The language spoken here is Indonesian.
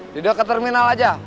dekat terminal saja